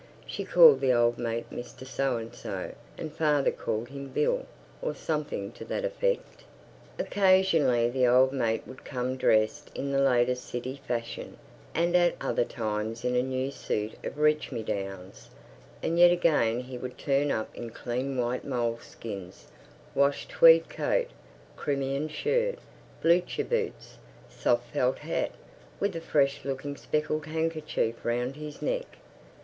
She called the old mate Mr So and so, and father called him Bill, or something to that effect. Occasionally the old mate would come dressed in the latest city fashion, and at other times in a new suit of reach me downs, and yet again he would turn up in clean white moleskins, washed tweed coat, Crimean shirt, blucher boots, soft felt hat, with a fresh looking speckled handkerchief round his neck.